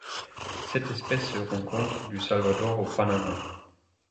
Cette espèce se rencontre du Salvador au Panama.